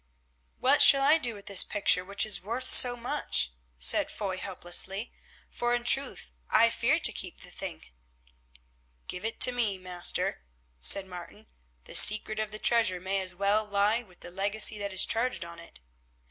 "What shall I do with this picture which is worth so much?" said Foy helplessly, "for in truth I fear to keep the thing." "Give it to me, master," said Martin; "the secret of the treasure may as well lie with the legacy that is charged on it."